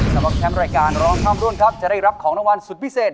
สำหรับแชมป์รายการร้องข้ามรุ่นครับจะได้รับของรางวัลสุดพิเศษ